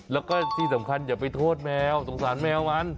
แล้วก็ที่สำคัญอย่าไปโทษแมวสงสารแมวมัน